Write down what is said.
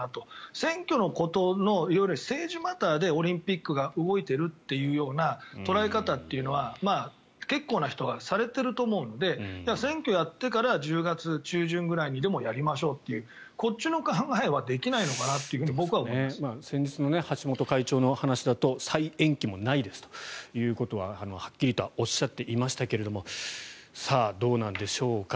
選挙の色々で政治マターでオリンピックが動いているというような捉え方というのは結構な人はされていると思うのでじゃあ選挙やってから１０月中旬ぐらいにでもやりましょうっていうこっちの考えはできないのかなって先日の橋本会長の話だと再延期もないですということははっきりとはおっしゃっていましたがさあ、どうなんでしょうか。